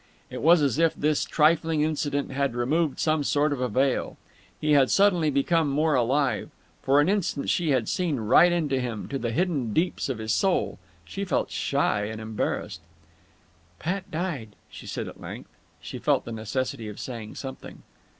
It was as if this trifling incident had removed some sort of a veil. He had suddenly become more alive. For an instant she had seen right into him, to the hidden deeps of his soul. She felt shy and embarrassed. "Pat died," she said at length. She felt the necessity of saying something.